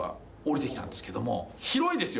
広いんですよ。